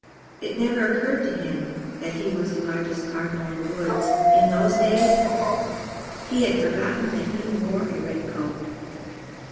It never occurred to him that he was the largest cardinal in the woods, in those days, and he had forgotten that he wore a red coat.